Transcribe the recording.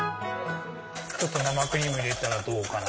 ちょっと生クリーム入れたらどうかな。